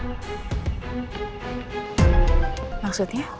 lebih baik kita diperawai yang sama